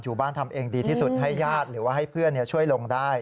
บ้านทำเองดีที่สุดให้ญาติหรือว่าให้เพื่อนช่วยลงได้